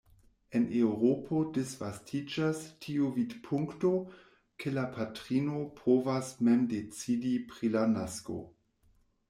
En Eŭropo disvastiĝas tiu vidpunkto, ke la patrino povas mem decidi pri la nasko.